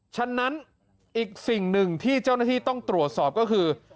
ฉะนั้นอีกสิ่งหนึ่งที่เจ้าหน้าที่ต้องตรวจสอบก็คือ